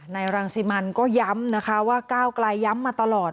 รังสิมันก็ย้ำนะคะว่าก้าวกลายย้ำมาตลอด